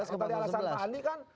ya tadi alasan mahal nih kan